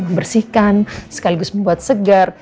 membersihkan sekaligus membuat segar